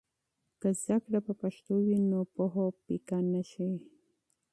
که علم په پښتو وي، نو پوهه پیکه نه شي.